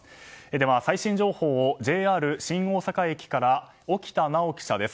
では最新情報、ＪＲ新大阪駅から沖田菜緒記者です。